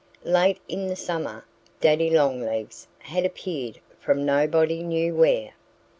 Late in the summer Daddy Longlegs had appeared from nobody knew where.